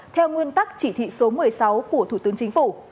theo nguyên tắc chỉ thị số một mươi sáu của thủ tướng chính phủ